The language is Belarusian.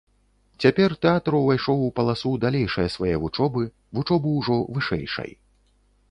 Цяпер тэатр увайшоў у паласу далейшае свае вучобы, вучобы ўжо вышэйшай.